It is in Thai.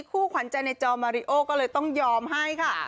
คู่ขวัญใจในจอมาริโอก็เลยต้องยอมให้ค่ะ